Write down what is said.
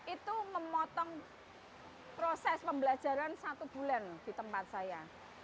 itu memotong proses pembelajaran satu bulan di tempat saya